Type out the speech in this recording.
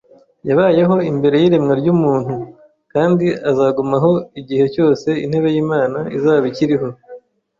Yabayeho mbere y’iremwa ry’umuntu, kandi azagumaho igihe cyose intebe y’Imana izaba ikiriho.